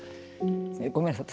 ごめんなさい。